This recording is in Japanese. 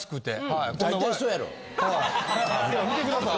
ほら見てください。